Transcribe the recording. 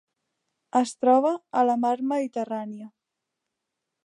Es troba a la Mar Mediterrània.